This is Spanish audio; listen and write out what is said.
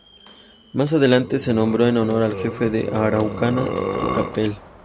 Más adelante se nombró en honor del jefe araucano Tucapel.